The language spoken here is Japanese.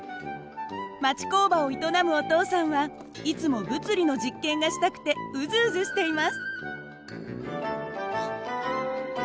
町工場を営むお父さんはいつも物理の実験がしたくてうずうずしています。